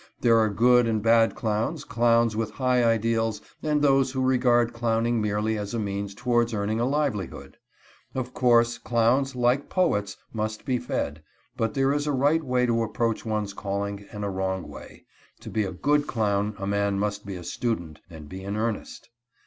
There are good and bad clowns, clowns with high ideals, and those who regard clowning merely as a means towards earning a livelihood. Of course, clowns, like poets, must be fed, but there is a right way to approach one's calling and a wrong way. To be a good clown a man must be a student and be in earnest.